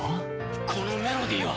このメロディーは。